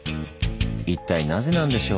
一体なぜなんでしょう？